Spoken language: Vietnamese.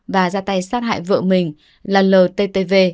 và ra tay sát hại vợ mình là l t t v